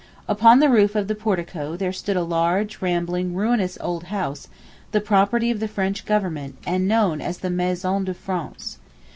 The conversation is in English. Upon the roof of the portico there stood a large, rambling, ruinous old house, the property of the French Government, and known as the "Maison de France"